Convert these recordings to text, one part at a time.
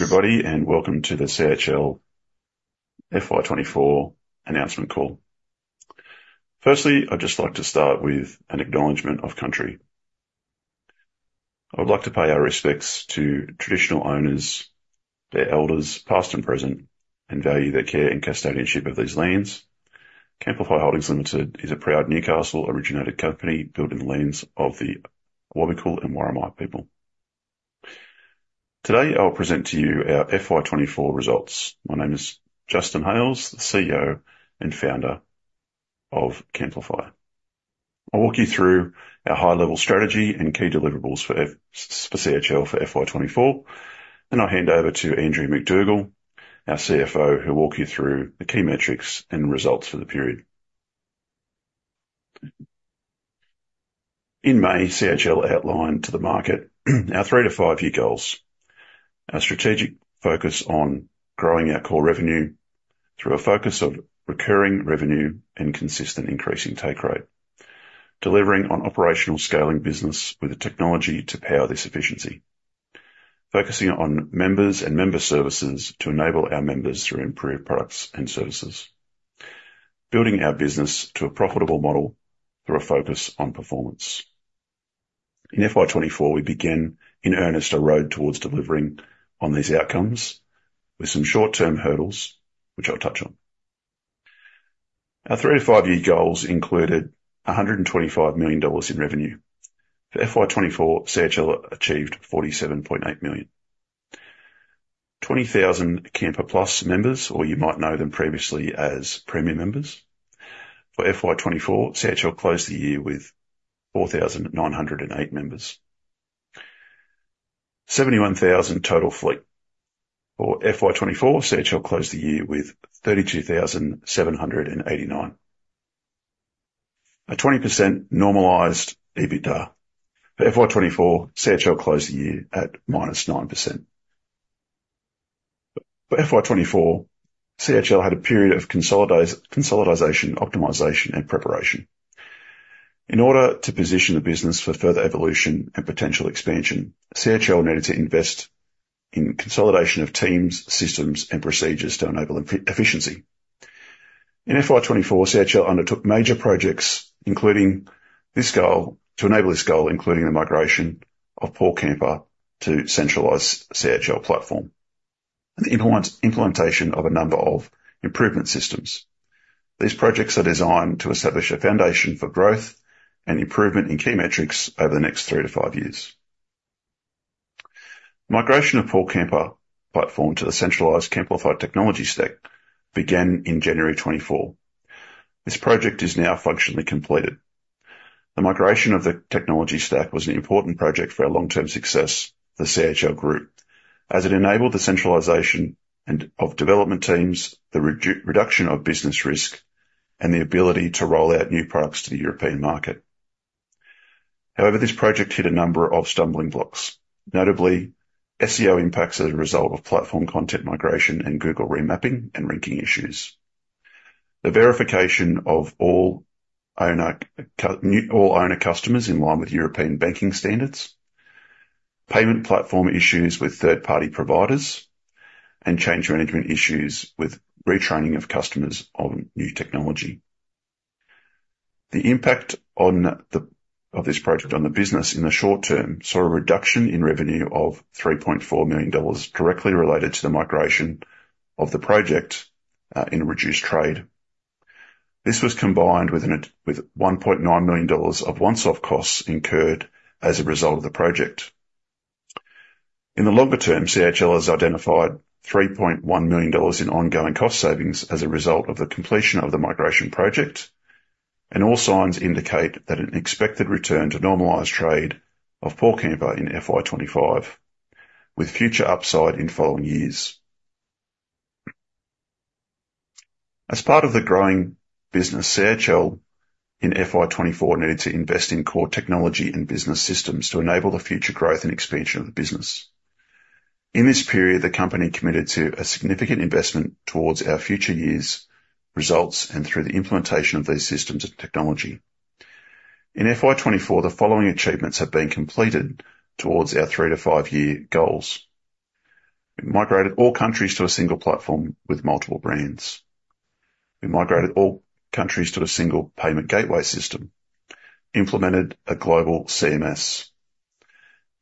Everybody, and welcome to the CHL FY24 Announcement Call. Firstly, I'd just like to start with an acknowledgment of country. I would like to pay our respects to traditional owners, their elders, past and present, and value their care and custodianship of these lands. Camplify Holdings Limited is a proud Newcastle-originated company, built in the lands of the Awabakal and Worimi people. Today, I'll present to you our FY24 results. My name is Justin Hales, the CEO and founder of Camplify. I'll walk you through our high-level strategy and key deliverables for CHL, for FY24, then I'll hand over to Andrea MacDougall, our CFO, who'll walk you through the key metrics and results for the period. In May, CHL outlined to the market our three- to five-year goals. Our strategic focus on growing our core revenue through a focus of recurring revenue and consistent increasing take rate. Delivering on operational scaling business with the technology to power this efficiency. Focusing on members and member services to enable our members through improved products and services. Building our business to a profitable model through a focus on performance. In FY24, we began, in earnest, a road towards delivering on these outcomes with some short-term hurdles, which I'll touch on. Our three- to five-year goals included 125 million dollars in revenue. For FY24, CHL achieved 47.8 million. 20,000 CamperPlus members, or you might know them previously as premium members. For FY24, CHL closed the year with 4,908 members. 71,000 total fleet. For FY24, CHL closed the year with 32,789. A 20% normalized EBITDA. For FY24, CHL closed the year at -9%. For FY24, CHL had a period of consolidation, optimization, and preparation. In order to position the business for further evolution and potential expansion, CHL needed to invest in consolidation of teams, systems and procedures to enable efficiency. In FY24, CHL undertook major projects, including this goal to enable this goal, including the migration of PaulCamper to centralized CHL platform and the implementation of a number of improvement systems. These projects are designed to establish a foundation for growth and improvement in key metrics over the next 3-5 years. Migration of PaulCamper platform to the centralized Camplify technology stack began in January 2024. This project is now functionally completed. The migration of the technology stack was an important project for our long-term success, the CHL group, as it enabled the centralization of development teams, the reduction of business risk, and the ability to roll out new products to the European market. However, this project hit a number of stumbling blocks. Notably, SEO impacts as a result of platform content migration and Google remapping and ranking issues. The verification of all owner customers in line with European banking standards, payment platform issues with third-party providers, and change management issues with retraining of customers on new technology. The impact of this project on the business in the short term saw a reduction in revenue of 3.4 million dollars, directly related to the migration of the project, in reduced trade. This was combined with 1.9 million dollars of one-off costs incurred as a result of the project. In the longer term, CHL has identified 3.1 million dollars in ongoing cost savings as a result of the completion of the migration project, and all signs indicate that an expected return to normalized trade of PaulCamper in FY 2025, with future upside in following years. As part of the growing business, CHL in FY 2024 needed to invest in core technology and business systems to enable the future growth and expansion of the business. In this period, the company committed to a significant investment towards our future years' results and through the implementation of these systems and technology. In FY 2024, the following achievements have been completed towards our three to five-year goals. We migrated all countries to a single platform with multiple brands. We migrated all countries to a single payment gateway system, implemented a global CMS,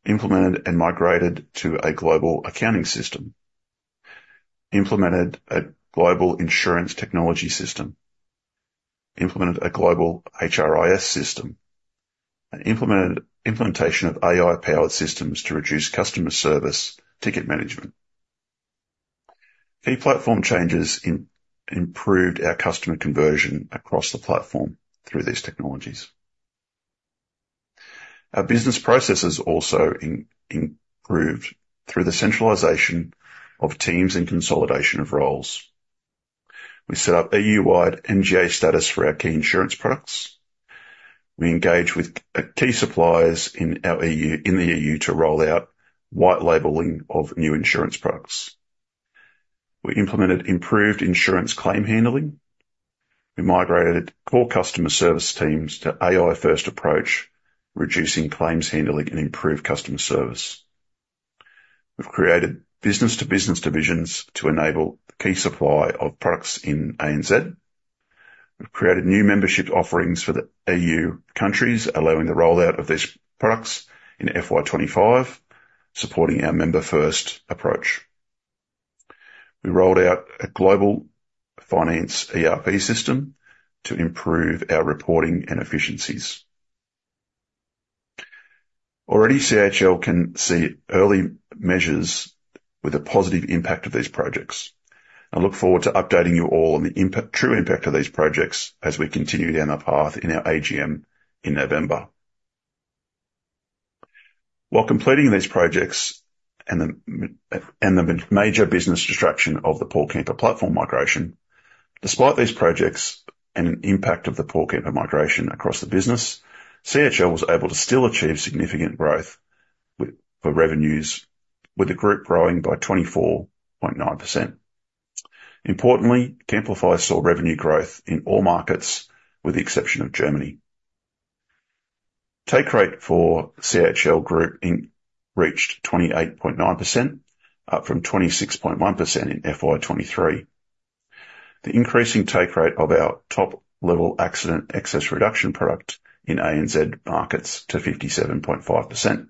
implemented and migrated to a global accounting system, implemented a global insurance technology system, implemented a global HRIS system, and implemented AI-powered systems to reduce customer service ticket management. Key platform changes improved our customer conversion across the platform through these technologies. Our business processes also improved through the centralization of teams and consolidation of roles. We set up EU-wide MGA status for our key insurance products. We engaged with key suppliers in the EU to roll out white labeling of new insurance products. We implemented improved insurance claim handling. We migrated core customer service teams to AI-first approach, reducing claims handling and improved customer service. We've created business-to-business divisions to enable the key supply of products in ANZ. We've created new membership offerings for the EU countries, allowing the rollout of these products in FY25, supporting our member-first approach. We rolled out a global finance ERP system to improve our reporting and efficiencies. Already, CHL can see early measures with a positive impact of these projects. I look forward to updating you all on the impact, true impact of these projects as we continue down the path in our AGM in November. While completing these projects and the major business distraction of the PaulCamper platform migration, despite these projects and an impact of the PaulCamper migration across the business, CHL was able to still achieve significant growth for revenues, with the group growing by 24.9%. Importantly, Camplify saw revenue growth in all markets, with the exception of Germany. Take rate for CHL Group Inc reached 28.9%, up from 26.1% in FY 2023. The increasing take rate of our top-level accident excess reduction product in ANZ markets to 57.5%.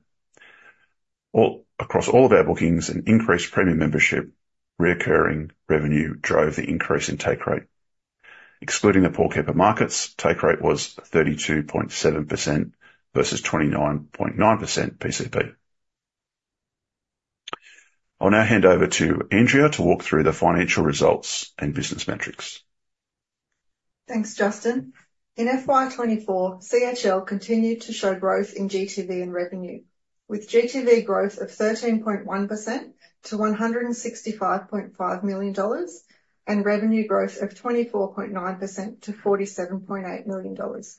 All across all of our bookings and increased premium membership, recurring revenue drove the increase in take rate. Excluding the PaulCamper markets, take rate was 32.7% versus 29.9% PCP. I'll now hand over to Andrea to walk through the financial results and business metrics. Thanks, Justin. In FY 2024, CHL continued to show growth in GTV and revenue, with GTV growth of 13.1% to 165.5 million dollars, and revenue growth of 24.9% to 47.8 million dollars.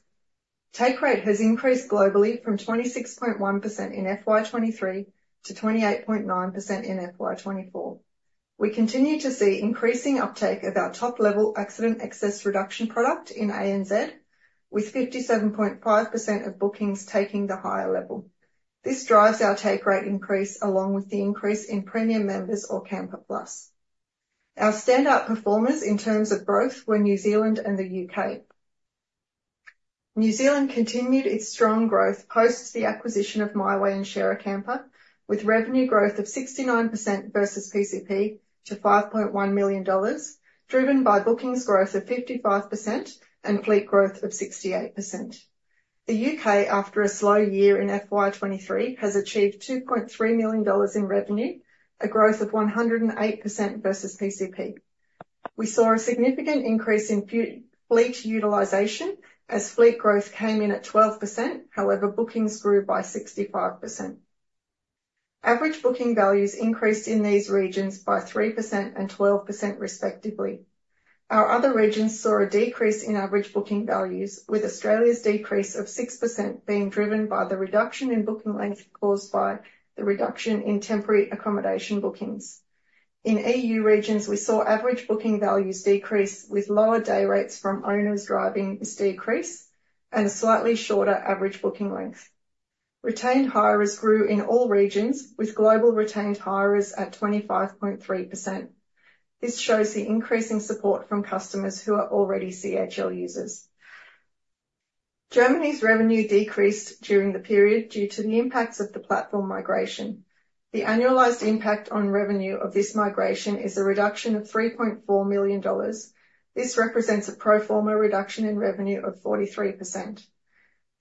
Take rate has increased globally from 26.1% in FY 2023 to 28.9% in FY 2024. We continue to see increasing uptake of our top-level Accident Excess Reduction product in ANZ, with 57.5% of bookings taking the higher level. This drives our take rate increase, along with the increase in premium members or CamperPlus. Our standout performers in terms of growth were New Zealand and the U.K. New Zealand continued its strong growth post the acquisition of Mighway and SHAREaCAMPER, with revenue growth of 69% versus PCP to 5.1 million dollars, driven by bookings growth of 55% and fleet growth of 68%. The UK, after a slow year in FY 2023, has achieved 2.3 million dollars in revenue, a growth of 108% versus PCP. We saw a significant increase in fleet utilization as fleet growth came in at 12%, however, bookings grew by 65%. Average booking values increased in these regions by 3% and 12%, respectively. Our other regions saw a decrease in average booking values, with Australia's decrease of 6% being driven by the reduction in booking length caused by the reduction in temporary accommodation bookings. In EU regions, we saw average booking values decrease, with lower day rates from owners driving this decrease and a slightly shorter average booking length. Retained hires grew in all regions, with global retained hires at 25.3%. This shows the increasing support from customers who are already CHL users. Germany's revenue decreased during the period due to the impacts of the platform migration. The annualized impact on revenue of this migration is a reduction of 3.4 million dollars. This represents a pro forma reduction in revenue of 43%.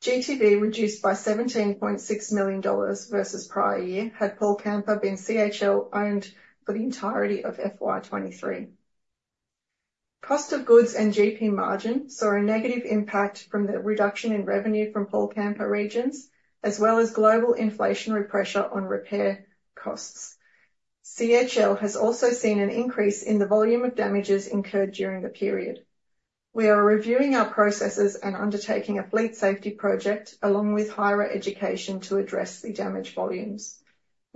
GTV reduced by AUD 17.6 million versus prior year, had PaulCamper been CHL-owned for the entirety of FY 2023. Cost of goods and GP margin saw a negative impact from the reduction in revenue from PaulCamper regions, as well as global inflationary pressure on repair costs. CHL has also seen an increase in the volume of damages incurred during the period. We are reviewing our processes and undertaking a fleet safety project, along with higher education, to address the damage volumes.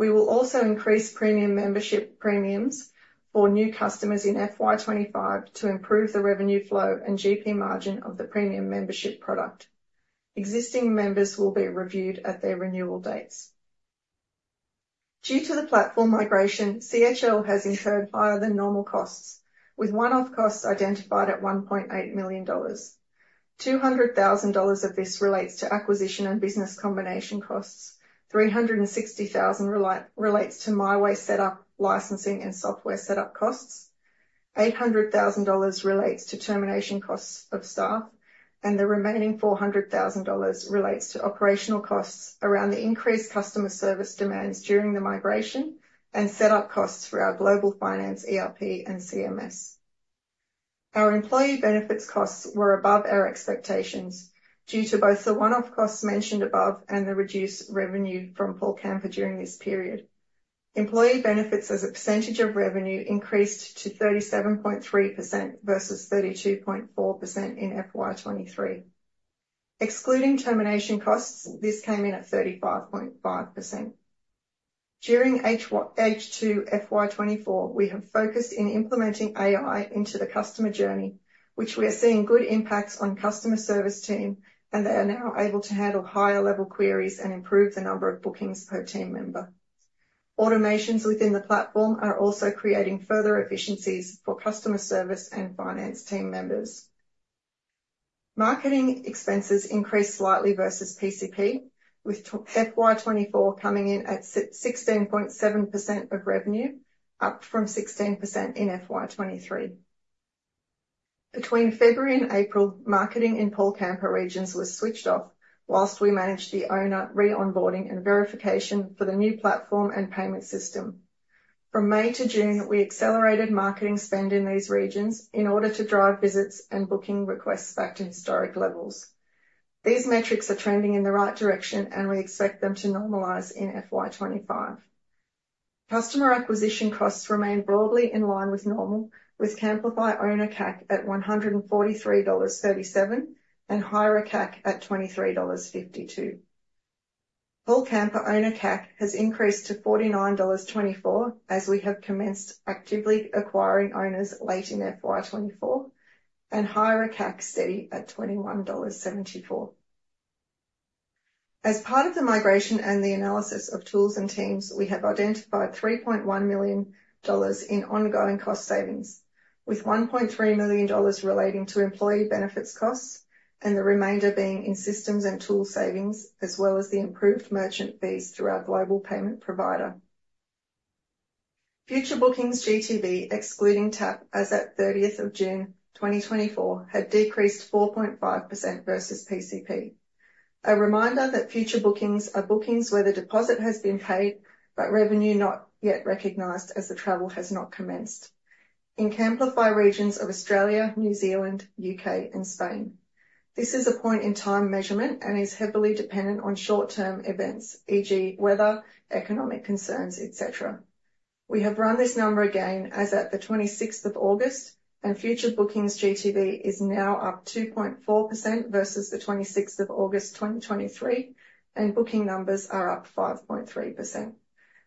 We will also increase premium membership premiums for new customers in FY25 to improve the revenue flow and GP margin of the premium membership product. Existing members will be reviewed at their renewal dates. Due to the platform migration, CHL has incurred higher than normal costs, with one-off costs identified at 1.8 million dollars. 200,000 dollars of this relates to acquisition and business combination costs. 360,000 relates to MyWay setup, licensing, and software setup costs. 800,000 dollars relates to termination costs of staff, and the remaining 400,000 dollars relates to operational costs around the increased customer service demands during the migration and setup costs for our global finance, ERP, and CMS. Our employee benefits costs were above our expectations due to both the one-off costs mentioned above and the reduced revenue from PaulCamper during this period. Employee benefits as a percentage of revenue increased to 37.3% versus 32.4% in FY 2023. Excluding termination costs, this came in at 35.5%. During H1-H2 FY 2024, we have focused in implementing AI into the customer journey, which we are seeing good impacts on customer service team, and they are now able to handle higher level queries and improve the number of bookings per team member. Automations within the platform are also creating further efficiencies for customer service and finance team members. Marketing expenses increased slightly versus PCP, with FY24 coming in at 16.7% of revenue, up from 16% in FY23. Between February and April, marketing in PaulCamper regions was switched off while we managed the owner re-onboarding and verification for the new platform and payment system. From May to June, we accelerated marketing spend in these regions in order to drive visits and booking requests back to historic levels. These metrics are trending in the right direction, and we expect them to normalize in FY25. Customer acquisition costs remain broadly in line with normal, with Camplify Owner CAC at 143.37 dollars, and hirer CAC at 23.52 dollars. PaulCamper owner CAC has increased to 49.24 dollars, as we have commenced actively acquiring owners late in FY24, and hirer CAC steady at 21.74 dollars. As part of the migration and the analysis of tools and teams, we have identified 3.1 million dollars in ongoing cost savings, with 1.3 million dollars relating to employee benefits costs and the remainder being in systems and tool savings, as well as the improved merchant fees through our global payment provider. Future bookings, GTV, excluding TAP, as at 30th of June, 2024, had decreased 4.5% versus PCP. A reminder that future bookings are bookings where the deposit has been paid, but revenue not yet recognized as the travel has not commenced. In Camplify regions of Australia, New Zealand, U.K., and Spain, this is a point-in-time measurement and is heavily dependent on short-term events, e.g., weather, economic concerns, et cetera. We have run this number again as at the 26th of August, and future bookings GTV is now up 2.4% versus the 26th of August, 2023, and booking numbers are up 5.3%.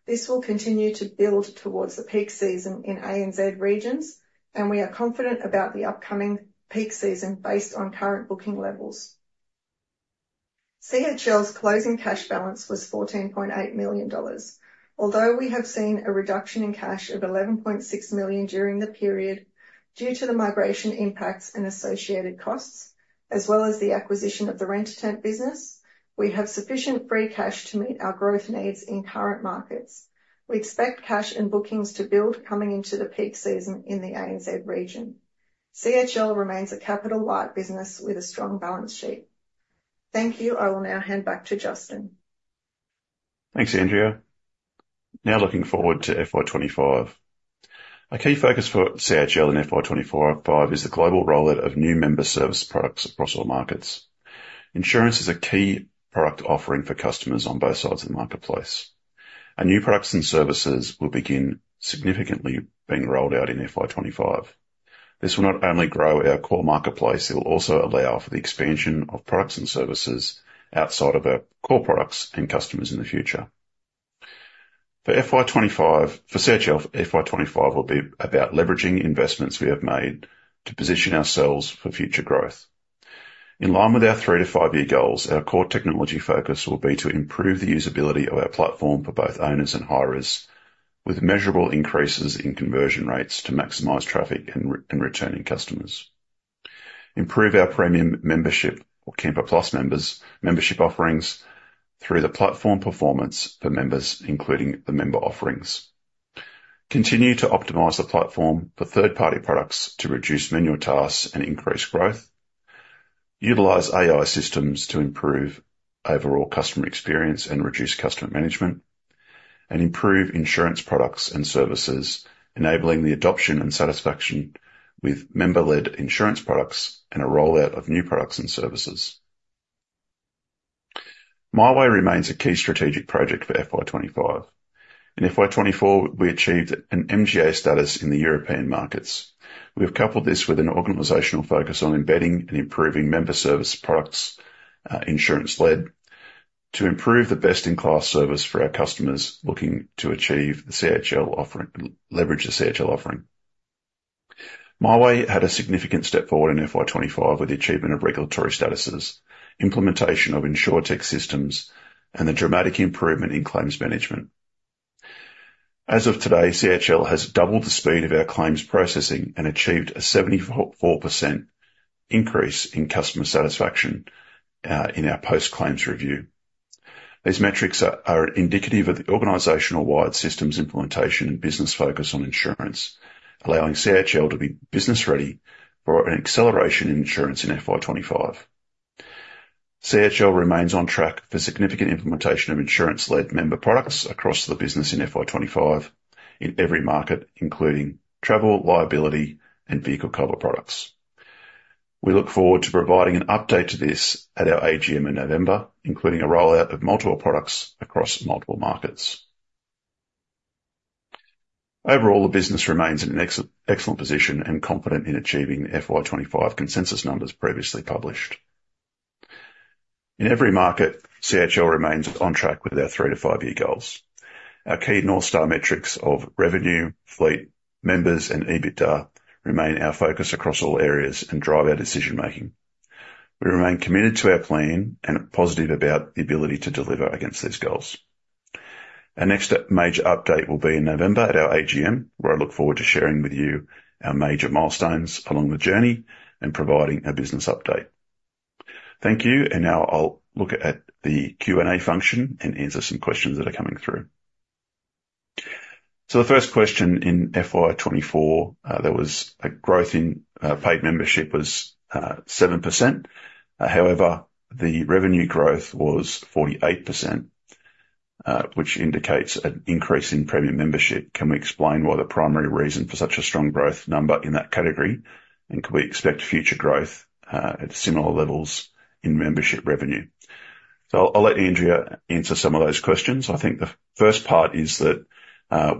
This will continue to build towards the peak season in ANZ regions, and we are confident about the upcoming peak season based on current booking levels. CHL's closing cash balance was 14.8 million dollars. Although we have seen a reduction in cash of 11.6 million during the period, due to the migration impacts and associated costs, as well as the acquisition of the Rent a Tent business, we have sufficient free cash to meet our growth needs in current markets. We expect cash and bookings to build coming into the peak season in the ANZ region. CHL remains a capital-light business with a strong balance sheet. Thank you. I will now hand back to Justin. Thanks, Andrea. Now looking forward to FY25. A key focus for CHL in FY24 and 25 is the global rollout of new member service products across all markets. Insurance is a key product offering for customers on both sides of the marketplace, and new products and services will begin significantly being rolled out in FY25. This will not only grow our core marketplace, it will also allow for the expansion of products and services outside of our core products and customers in the future. For CHL, FY25 will be about leveraging investments we have made to position ourselves for future growth. In line with our three to five-year goals, our core technology focus will be to improve the usability of our platform for both owners and hirers, with measurable increases in conversion rates to maximize traffic and re- and returning customers. Improve our premium membership, or CamperPlus members, membership offerings through the platform performance for members, including the member offerings. Continue to optimize the platform for third-party products to reduce manual tasks and increase growth. Utilize AI systems to improve overall customer experience and reduce customer management, and improve insurance products and services, enabling the adoption and satisfaction with member-led insurance products and a rollout of new products and services. MyWay remains a key strategic project for FY25. In FY24, we achieved an MGA status in the European markets. We have coupled this with an organizational focus on embedding and improving member service products, insurance-led, to improve the best-in-class service for our customers looking to achieve the CHL offering, leverage the CHL offering. MyWay had a significant step forward in FY25 with the achievement of regulatory statuses, implementation of insurtech systems, and a dramatic improvement in claims management. As of today, CHL has doubled the speed of our claims processing and achieved a 74% increase in customer satisfaction in our post-claims review. These metrics are indicative of the organization-wide systems implementation and business focus on insurance, allowing CHL to be business-ready for an acceleration in insurance in FY25. CHL remains on track for significant implementation of insurance-led member products across the business in FY25 in every market, including travel, liability, and vehicle cover products. We look forward to providing an update to this at our AGM in November, including a rollout of multiple products across multiple markets.... Overall, the business remains in an excellent position and confident in achieving the FY25 consensus numbers previously published. In every market, CHL remains on track with our three to five-year goals. Our key North Star metrics of revenue, fleet, members, and EBITDA remain our focus across all areas and drive our decision-making. We remain committed to our plan and positive about the ability to deliver against these goals. Our next major update will be in November at our AGM, where I look forward to sharing with you our major milestones along the journey and providing a business update. Thank you, and now I'll look at the Q&A function and answer some questions that are coming through. So the first question, in FY24, there was a growth in paid membership was 7%. However, the revenue growth was 48%, which indicates an increase in premium membership. Can we explain why the primary reason for such a strong growth number in that category, and can we expect future growth, at similar levels in membership revenue? So I'll let Andrea answer some of those questions. I think the first part is that,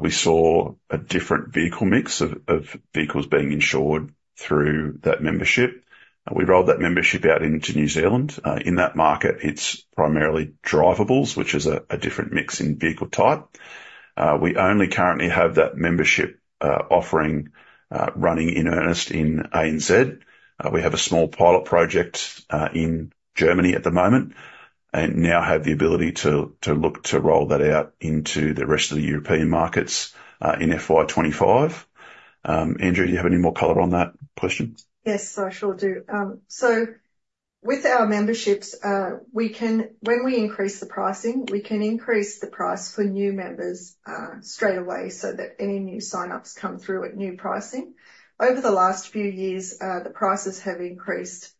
we saw a different vehicle mix of vehicles being insured through that membership. We rolled that membership out into New Zealand. In that market, it's primarily drivables, which is a different mix in vehicle type. We only currently have that membership offering running in earnest in ANZ. We have a small pilot project in Germany at the moment, and now have the ability to look to roll that out into the rest of the European markets, in FY25. Andrea, do you have any more color on that question? Yes, I sure do. So with our memberships, when we increase the pricing, we can increase the price for new members straight away, so that any new sign-ups come through at new pricing. Over the last few years, the prices have increased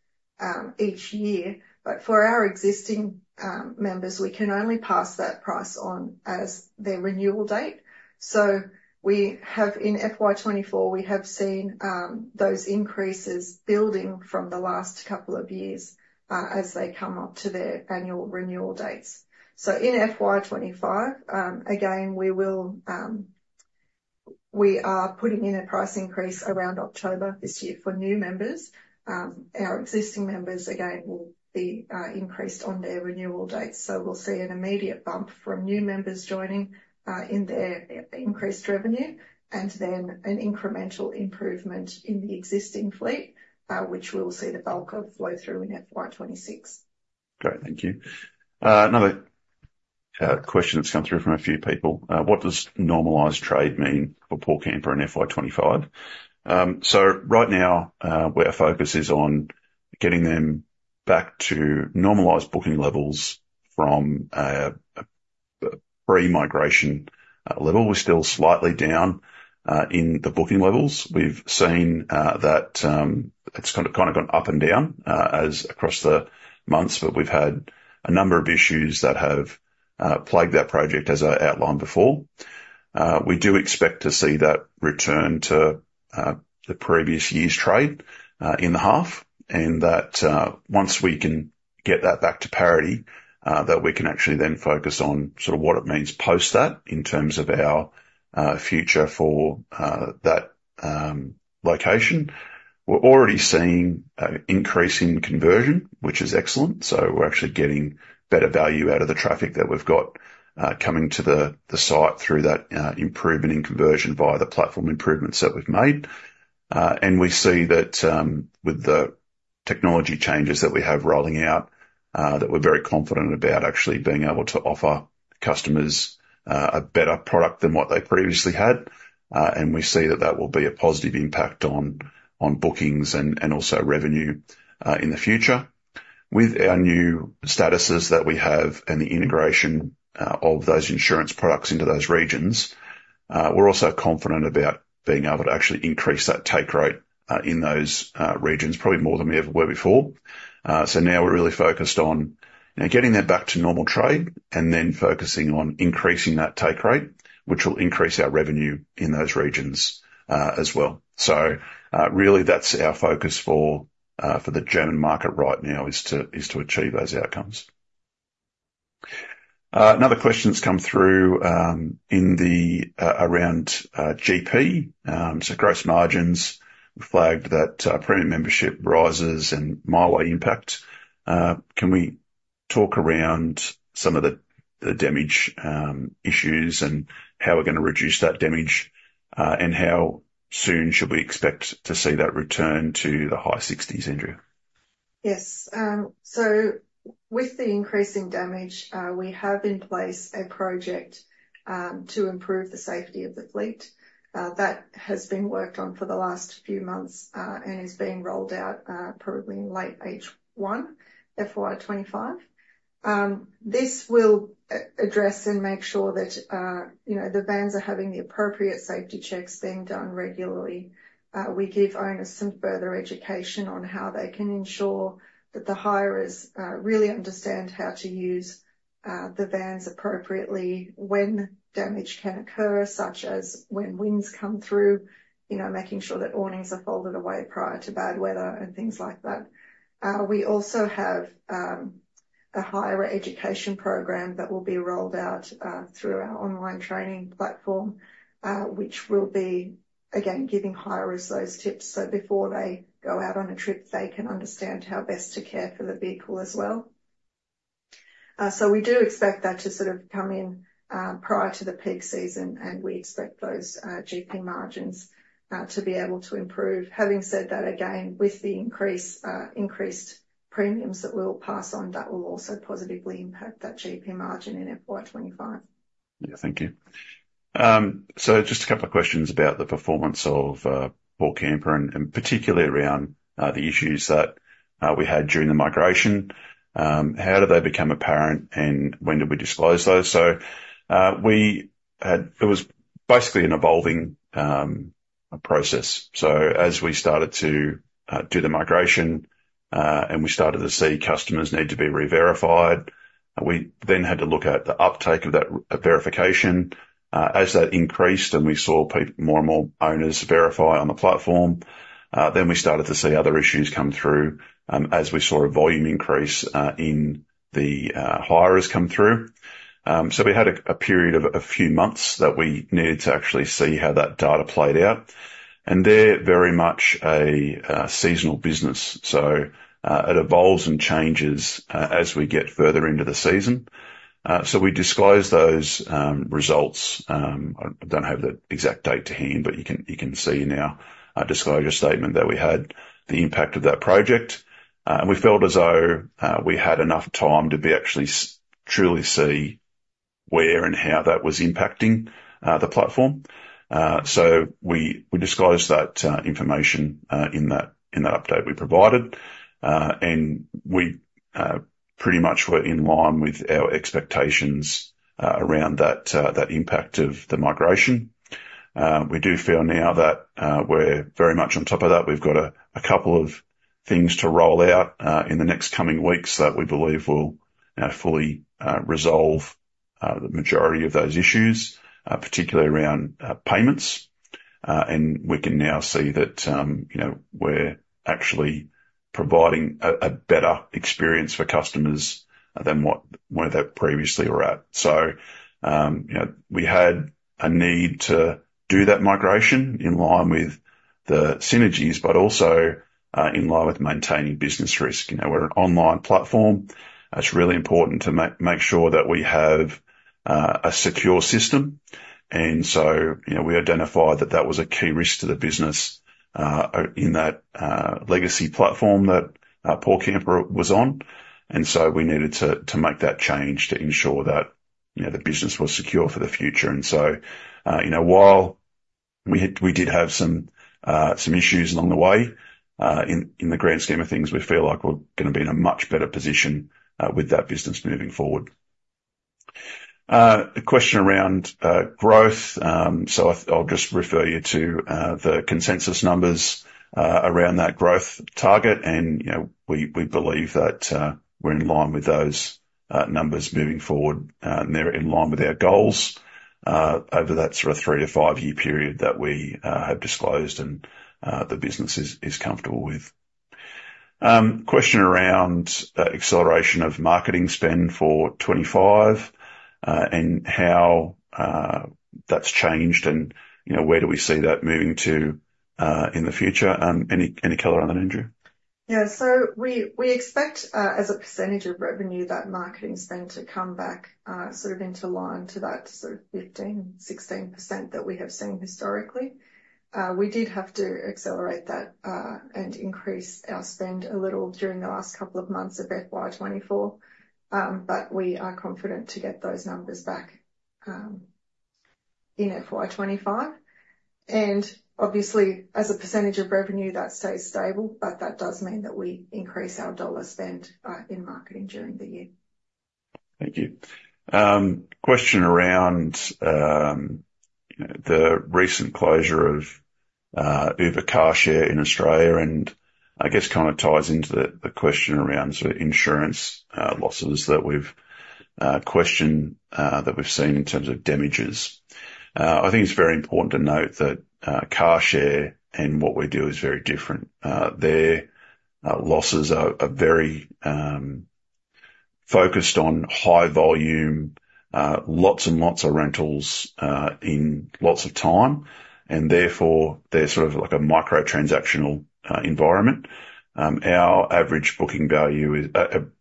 each year. But for our existing members, we can only pass that price on as their renewal date. So in FY 2024, we have seen those increases building from the last couple of years as they come up to their annual renewal dates. So in FY 2025, again, we will... We are putting in a price increase around October this year for new members. Our existing members again will be increased on their renewal dates. We'll see an immediate bump from new members joining, in their increased revenue, and then an incremental improvement in the existing fleet, which we'll see the bulk of flow through in FY 2026. Great, thank you. Another question that's come through from a few people. What does normalized trade mean for PaulCamper in FY25? So right now, where our focus is on getting them back to normalized booking levels from a pre-migration level. We're still slightly down in the booking levels. We've seen that it's kind of gone up and down across the months, but we've had a number of issues that have plagued that project as I outlined before. We do expect to see that return to the previous year's trade in the half, and that once we can get that back to parity that we can actually then focus on sort of what it means post that in terms of our future for that location. We're already seeing an increase in conversion, which is excellent. So we're actually getting better value out of the traffic that we've got, coming to the site through that improvement in conversion via the platform improvements that we've made, and we see that with the technology changes that we have rolling out that we're very confident about actually being able to offer customers a better product than what they previously had, and we see that will be a positive impact on bookings and also revenue in the future. With our new statuses that we have and the integration of those insurance products into those regions, we're also confident about being able to actually increase that take rate in those regions, probably more than we ever were before. Now we're really focused on, you know, getting that back to normal trade, and then focusing on increasing that take rate, which will increase our revenue in those regions, as well. Really, that's our focus for the German market right now, is to achieve those outcomes. Another question that's come through, around GP, so gross margins. We flagged that, premium membership rises and Mighway impact. Can we talk around some of the damage issues, and how we're gonna reduce that damage and how soon should we expect to see that return to the high sixties, Andrea? Yes. So with the increasing damage, we have in place a project to improve the safety of the fleet. That has been worked on for the last few months and is being rolled out probably in late H1, FY25. This will address and make sure that, you know, the vans are having the appropriate safety checks being done regularly. We give owners some further education on how they can ensure that the hirers really understand how to use the vans appropriately when damage can occur, such as when winds come through. You know, making sure that awnings are folded away prior to bad weather and things like that. We also have a higher education program that will be rolled out through our online training platform, which will be, again, giving hirers those tips. So before they go out on a trip, they can understand how best to care for the vehicle as well. So we do expect that to sort of come in prior to the peak season, and we expect those GP margins to be able to improve. Having said that, again, with the increased premiums that we'll pass on, that will also positively impact that GP margin in FY25. Yeah. Thank you. So just a couple of questions about the performance of PaulCamper and particularly around the issues that we had during the migration. How do they become apparent, and when do we disclose those? So it was basically an evolving process. So as we started to do the migration, and we started to see customers need to be reverified, we then had to look at the uptake of that verification. As that increased and we saw more and more owners verify on the platform, then we started to see other issues come through, as we saw a volume increase in the hirers come through. So we had a period of a few months that we needed to actually see how that data played out, and they're very much a seasonal business, so it evolves and changes as we get further into the season. So we disclosed those results. I don't have the exact date to hand, but you can see now a disclosure statement that we had the impact of that project. And we felt as though we had enough time to actually truly see where and how that was impacting the platform. So we disclosed that information in that update we provided. And we pretty much were in line with our expectations around that impact of the migration. We do feel now that we're very much on top of that. We've got a couple of things to roll out in the next coming weeks that we believe will fully resolve the majority of those issues, particularly around payments. And we can now see that, you know, we're actually providing a better experience for customers than where they previously were at. So, you know, we had a need to do that migration in line with the synergies, but also, in line with maintaining business risk. You know, we're an online platform. It's really important to make sure that we have a secure system. And so, you know, we identified that that was a key risk to the business, in that legacy platform that PaulCamper was on. And so we needed to make that change to ensure that, you know, the business was secure for the future. And so, you know, while we had we did have some issues along the way, in the grand scheme of things, we feel like we're gonna be in a much better position with that business moving forward. The question around growth, so I, I'll just refer you to the consensus numbers around that growth target. And, you know, we believe that, we're in line with those numbers moving forward, and they're in line with our goals over that sort of three to five-year period that we have disclosed and the business is comfortable with. Question around acceleration of marketing spend for 2025, and how that's changed, and, you know, where do we see that moving to in the future? Any color on that, Andrea? Yeah. So we expect, as a percentage of revenue, that marketing spend to come back, sort of into line to that sort of 15%-16% that we have seen historically. We did have to accelerate that, and increase our spend a little during the last couple of months of FY 2024, but we are confident to get those numbers back in FY 2025. Obviously, as a percentage of revenue, that stays stable, but that does mean that we increase our dollar spend in marketing during the year. Thank you. Question around the recent closure of Uber Carshare in Australia, and I guess kind of ties into the question around sort of insurance losses that we've questioned that we've seen in terms of damages. I think it's very important to note that Car Share and what we do is very different. Their losses are very focused on high volume, lots and lots of rentals in lots of time, and therefore, they're sort of like a micro transactional environment. Our average booking value is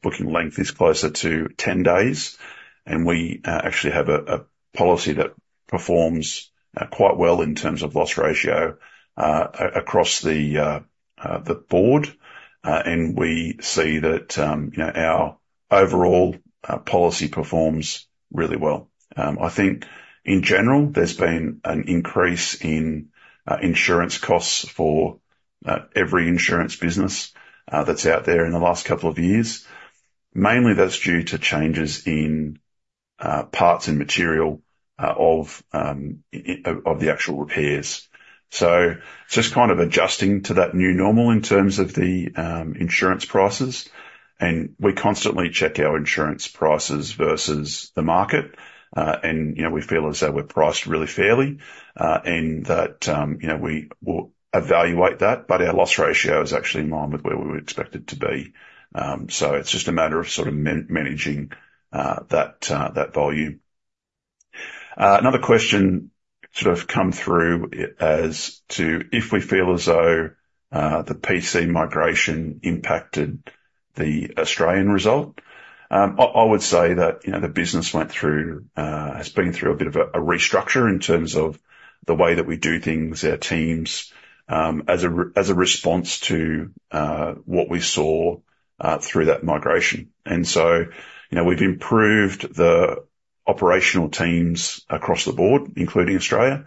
booking length is closer to 10 days, and we actually have a policy that performs quite well in terms of loss ratio across the board, and we see that, you know, our overall policy performs really well. I think in general, there's been an increase in insurance costs for every insurance business that's out there in the last couple of years. Mainly that's due to changes in parts and material of the actual repairs, so just kind of adjusting to that new normal in terms of the insurance prices, and we constantly check our insurance prices versus the market. You know, we feel as though we're priced really fairly, and that, you know, we will evaluate that, but our loss ratio is actually in line with where we were expected to be. So it's just a matter of sort of managing that volume. Another question sort of come through as to if we feel as though the PC migration impacted the Australian result. I would say that, you know, the business went through, has been through a bit of a restructure in terms of the way that we do things, our teams, as a response to what we saw through that migration. So, you know, we've improved the operational teams across the board, including Australia.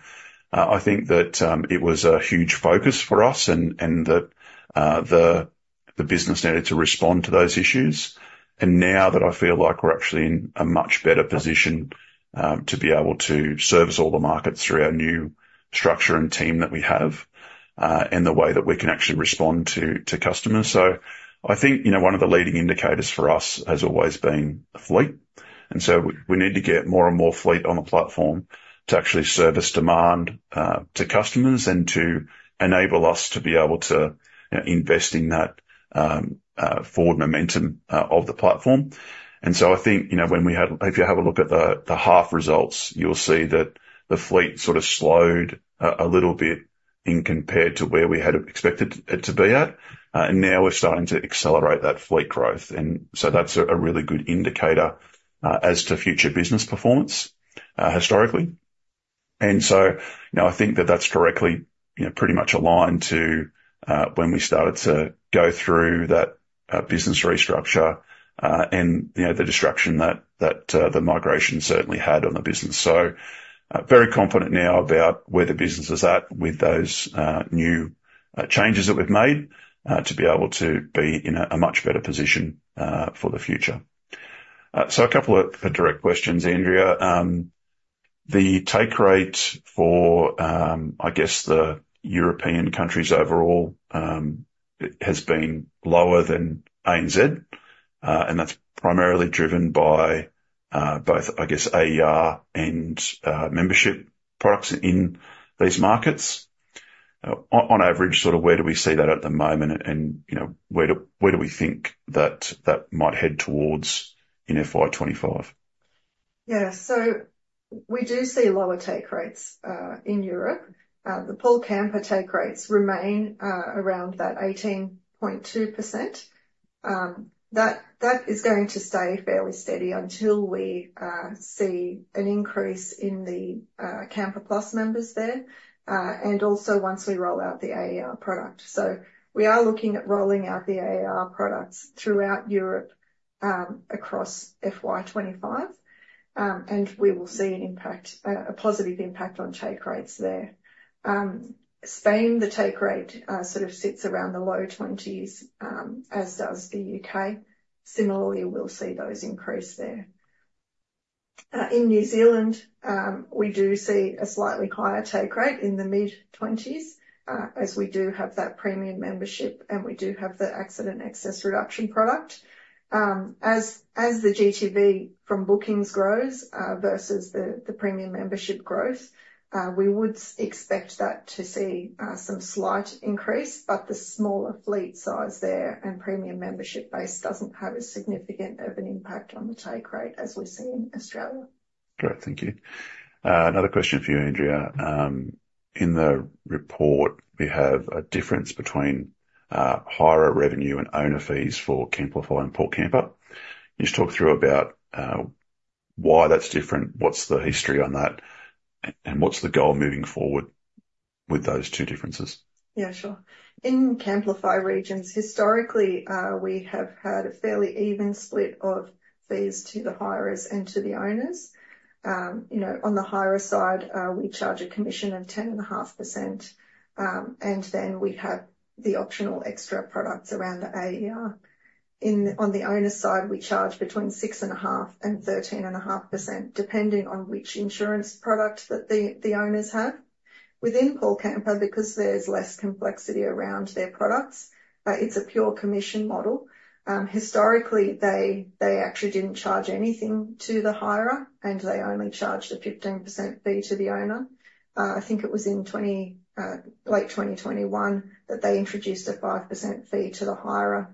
I think that it was a huge focus for us and that the business needed to respond to those issues. And now that I feel like we're actually in a much better position to be able to service all the markets through our new structure and team that we have and the way that we can actually respond to customers. So I think, you know, one of the leading indicators for us has always been the fleet, and so we need to get more and more fleet on the platform to actually service demand to customers, and to enable us to be able to, you know, invest in that forward momentum of the platform. And so I think, you know, when we have... If you have a look at the half results, you'll see that the fleet sort of slowed a little bit in compared to where we had expected it to be at, and now we're starting to accelerate that fleet growth. And so that's a really good indicator as to future business performance, historically. And so, you know, I think that that's directly, you know, pretty much aligned to when we started to go through that business restructure, and, you know, the disruption that the migration certainly had on the business. So, very confident now about where the business is at with those new changes that we've made to be able to be in a much better position for the future. So a couple of direct questions, Andrea. The take rate for, I guess, the European countries overall, it has been lower than ANZ, and that's primarily driven by both, I guess, AER and membership products in these markets. On average, sort of, where do we see that at the moment? And, you know, where do we think that might head towards in FY25? Yeah. So we do see lower take rates in Europe. The PaulCamper take rates remain around that 18.2%. That is going to stay fairly steady until we see an increase in the CamperPlus members there and also once we roll out the AER product. So we are looking at rolling out the AER products throughout Europe across FY 25. And we will see an impact, a positive impact on take rates there. Spain, the take rate sort of sits around the low 20s, as does the UK. Similarly, we'll see those increase there. In New Zealand, we do see a slightly higher take rate in the mid-20s, as we do have that premium membership, and we do have the Accident Excess Reduction product. As the GTV from bookings grows versus the premium membership growth, we would expect that to see some slight increase, but the smaller fleet size there and premium membership base doesn't have as significant of an impact on the take rate as we see in Australia. Great, thank you. Another question for you, Andrea. In the report, we have a difference between higher revenue and owner fees for Camplify and PaulCamper. Can you just talk through about why that's different, what's the history on that, and what's the goal moving forward with those two differences? Yeah, sure. In Camplify regions, historically, we have had a fairly even split of fees to the hirers and to the owners. You know, on the hirer side, we charge a commission of 10.5%, and then we have the optional extra products around the AER. On the owner side, we charge between 6.5% and 13.5%, depending on which insurance product that the owners have. Within PaulCamper, because there's less complexity around their products, it's a pure commission model. Historically, they actually didn't charge anything to the hirer, and they only charged a 15% fee to the owner. I think it was in late 2021 that they introduced a 5% fee to the hirer.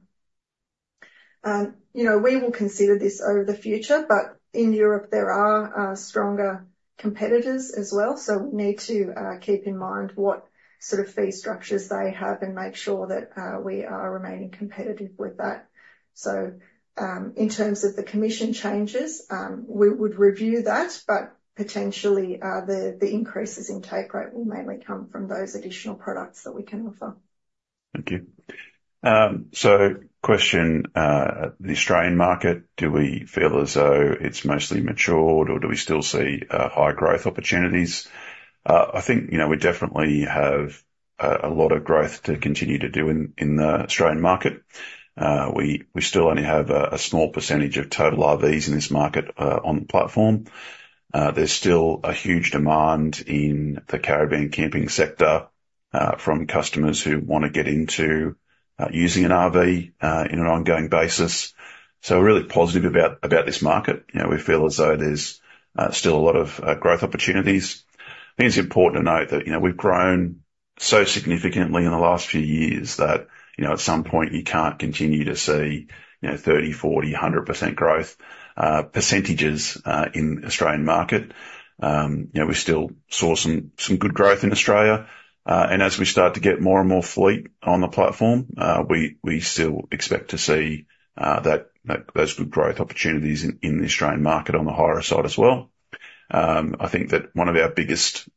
You know, we will consider this over the future, but in Europe there are stronger competitors as well, so we need to keep in mind what sort of fee structures they have and make sure that we are remaining competitive with that. So, in terms of the commission changes, we would review that, but potentially the increases in take rate will mainly come from those additional products that we can offer. Thank you. So question, the Australian market, do we feel as though it's mostly matured, or do we still see high growth opportunities? I think, you know, we definitely have a lot of growth to continue to do in the Australian market. We still only have a small percentage of total RVs in this market on the platform. There's still a huge demand in the caravan camping sector from customers who wanna get into using an RV in an ongoing basis. So we're really positive about this market. You know, we feel as though there's still a lot of growth opportunities. I think it's important to note that, you know, we've grown so significantly in the last few years that, you know, at some point you can't continue to see, you know, 30, 40, 100% growth percentages in Australian market. You know, we still saw some good growth in Australia, and as we start to get more and more fleet on the platform, we still expect to see those good growth opportunities in the Australian market on the higher side as well. I think that one of our biggest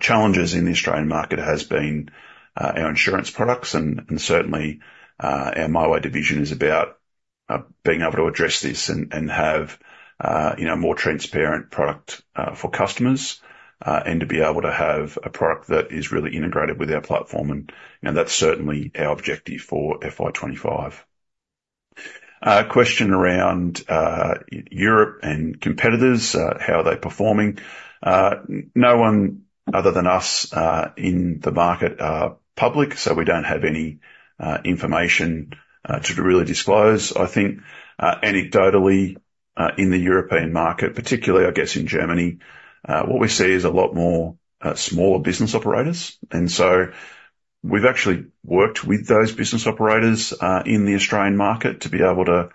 challenges in the Australian market has been our insurance products, and certainly our MyWay division is about being able to address this and have, you know, more transparent product for customers. And to be able to have a product that is really integrated with our platform, and that's certainly our objective for FY25. Question around Europe and competitors, how are they performing? No one other than us in the market are public, so we don't have any information to really disclose. I think anecdotally in the European market, particularly, I guess, in Germany, what we see is a lot more smaller business operators. And so we've actually worked with those business operators in the Australian market to be able to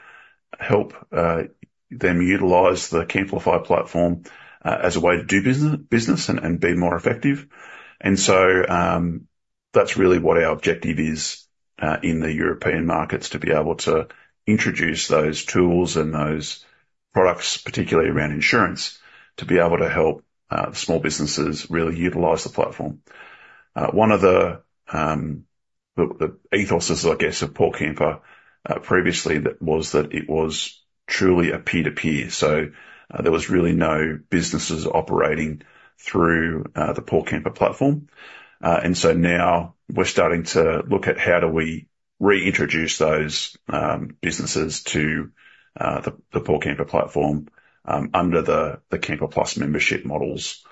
help them utilize the Camplify platform as a way to do business and be more effective. And so, that's really what our objective is in the European markets, to be able to introduce those tools and those products, particularly around insurance, to be able to help small businesses really utilize the platform. One of the ethos, I guess, of PaulCamper, previously, that was that it was truly a peer-to-peer, so there was really no businesses operating through the PaulCamper platform. And so now we're starting to look at how do we reintroduce those businesses to the PaulCamper platform under the CamperPlus membership models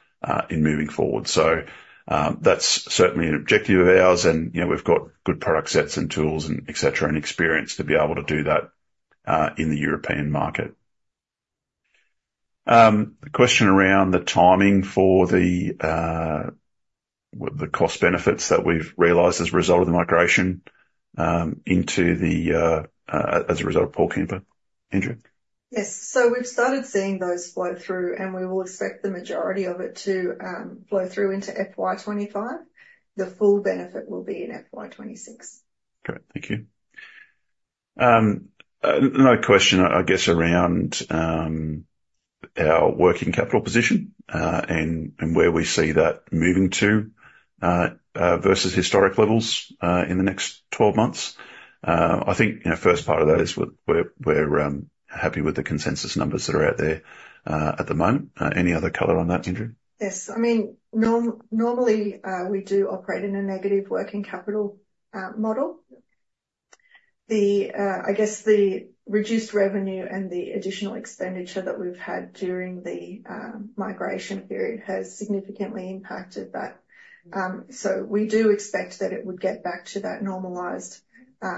in moving forward. So that's certainly an objective of ours, and you know, we've got good product sets and tools and et cetera, and experience to be able to do that in the European market. The question around the timing for, well, the cost benefits that we've realized as a result of the migration as a result of PaulCamper. Andrea? Yes. So we've started seeing those flow through, and we will expect the majority of it to flow through into FY25. The full benefit will be in FY26. Great. Thank you. Another question, I guess, around our working capital position, and where we see that moving to versus historic levels in the next twelve months. I think, you know, first part of that is we're happy with the consensus numbers that are out there at the moment. Any other color on that, Andrea? Yes. I mean, normally, we do operate in a negative working capital model. I guess, the reduced revenue and the additional expenditure that we've had during the migration period has significantly impacted that. So we do expect that it would get back to that normalized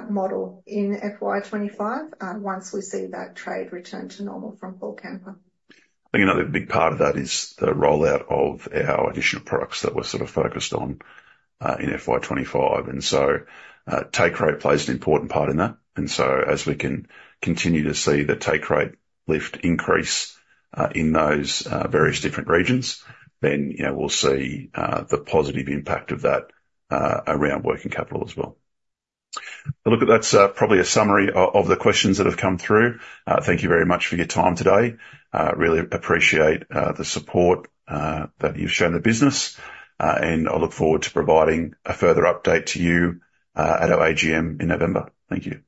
model in FY25, once we see that trade return to normal from PaulCamper. I think another big part of that is the rollout of our additional products that we're sort of focused on in FY25, and so take rate plays an important part in that. And so as we can continue to see the take rate lift increase in those various different regions, then you know we'll see the positive impact of that around working capital as well. Look, that's probably a summary of the questions that have come through. Thank you very much for your time today. Really appreciate the support that you've shown the business, and I look forward to providing a further update to you at our AGM in November. Thank you.